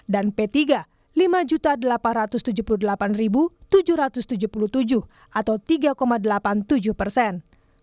dan p tiga lima delapan ratus tujuh puluh delapan tujuh ratus tujuh puluh tujuh atau tiga delapan puluh tujuh persen